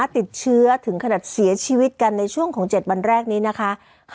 ติดเชื้อถึงขนาดเสียชีวิตกันในช่วงของ๗วันแรกนี้นะคะ